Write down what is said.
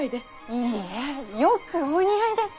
いいえよくお似合いです。